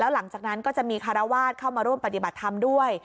หลังจากนั้นก็จะมีคารวาสเข้ามาร่วมปฏิบัติธรรมด้วย